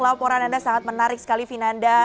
laporan anda sangat menarik sekali vinanda